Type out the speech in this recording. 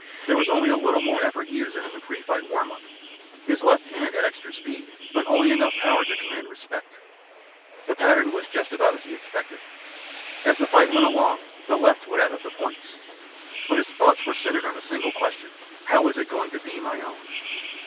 There was only a little more effort used than in the pre fight warm up. His left hand had extra speed but only enough power to command respect. The pattern was just about as he had expected. As the fight went along the left would add up the points. But his thoughts were centered on a single question. _How is it going to be on my own?